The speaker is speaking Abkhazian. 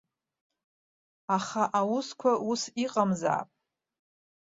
Аха аусқәа ус иҟамзаап.